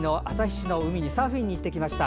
市の海にサーフィンに行ってきました。